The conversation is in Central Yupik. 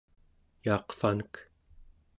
yaaqvanek